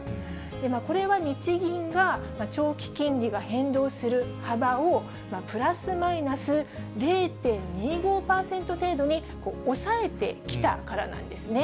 これは日銀が長期金利が変動する幅を、プラスマイナス０．２５％程度に抑えてきたからなんですね。